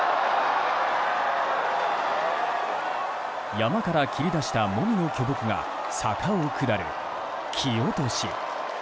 山から切り出したモミの巨木が坂を下る木落し。